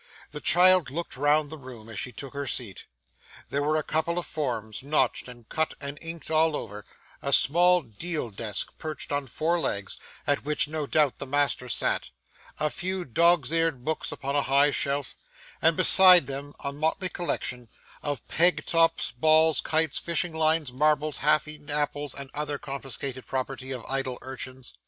The child looked round the room as she took her seat. There were a couple of forms, notched and cut and inked all over; a small deal desk perched on four legs, at which no doubt the master sat; a few dog's eared books upon a high shelf; and beside them a motley collection of peg tops, balls, kites, fishing lines, marbles, half eaten apples, and other confiscated property of idle urchins.